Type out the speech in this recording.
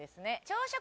朝食